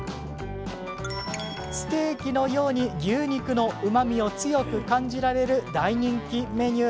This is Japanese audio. ステーキのように牛肉のうまみを強く感じられる大人気メニュー。